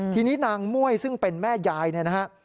ทีนี้นางม่วยซึ่งเป็นแม่ยายเนี่ยนะฮะ